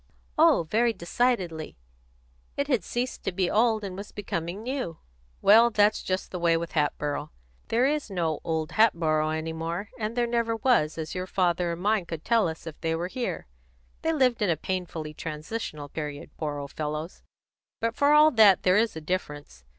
"Oh, very decidedly. It had ceased to be old and was becoming new." "Well, that's just the way with Hatboro'. There is no old Hatboro' any more; and there never was, as your father and mine could tell us if they were here. They lived in a painfully transitional period, poor old fellows! But, for all that, there is a difference.